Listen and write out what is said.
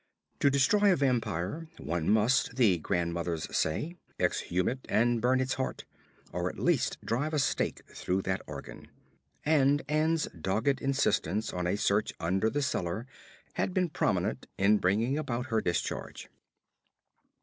To destroy a vampire one must, the grandmothers say, exhume it and burn its heart, or at least drive a stake through that organ; and Ann's dogged insistence on a search under the cellar had been prominent in bringing about her discharge.